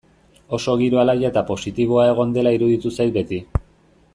Oso giro alaia eta positiboa egon dela iruditu zait beti.